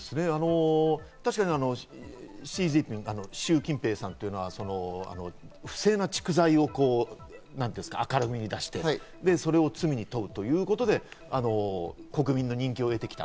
確かにシュウ・キンペイさんというのは不正な蓄財を明るみに出して、それを罪に問うということで国民の人気を得てきた。